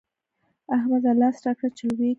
احمده! لاس راکړه چې لوېږم.